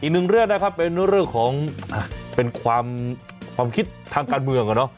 อีกหนึ่งเรื่องนะครับเป็นเรื่องของเป็นความคิดทางการเมือง